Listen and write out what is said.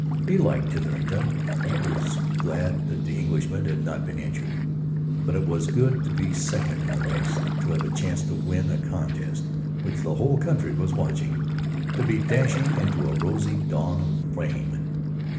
He liked Titherington; he was glad that the Englishman had not been injured; but it was good to be second in the race; to have a chance to win a contest which the whole country was watching; to be dashing into a rosy dawn of fame.